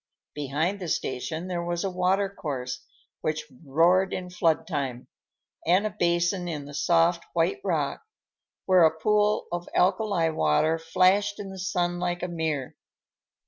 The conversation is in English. Behind the station there was a water course, which roared in flood time, and a basin in the soft white rock where a pool of alkali water flashed in the sun like a mirror.